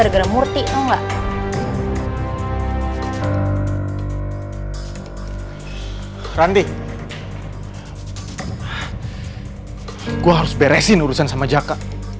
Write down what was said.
gue harus beresin urusan sama jaka